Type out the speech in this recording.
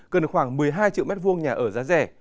cần khoảng một mươi hai triệu m hai nhà ở giá rẻ